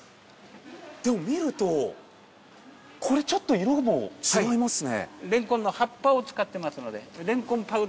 でも見るとこれちょっと色も違いますね。